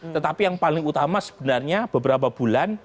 tetapi yang paling utama sebenarnya beberapa bulan